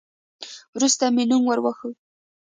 وروسته مې نوم ور وښود.